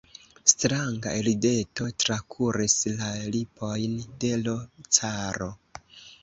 Stranga rideto trakuris la lipojn de l' caro.